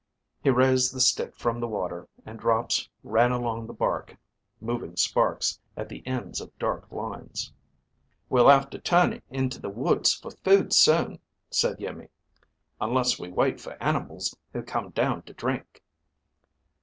He raised the stick from the water and drops ran along the bark, moving sparks at the ends of dark lines. "We'll have to turn into the woods for food soon," said Iimmi, "unless we wait for animals who come down to drink."